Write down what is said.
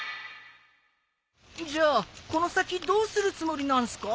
じゃあこの先どうするつもりなんすか？